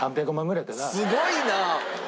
すごいな！